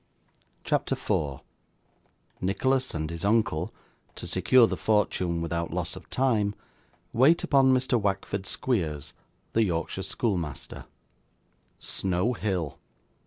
CHAPTER 4 Nicholas and his Uncle (to secure the Fortune without loss of time) wait upon Mr. Wackford Squeers, the Yorkshire Schoolmaster Snow Hill!